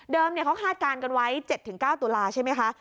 เดิมเนี่ยเขาคาดการณ์กันไว้๗๙ตุลาช์ใช่ไหมคะ